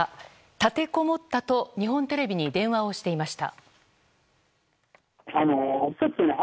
立てこもったと日本テレビに電話をしていました。